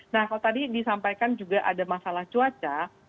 nah kalau tadi disampaikan juga ada masalah cuaca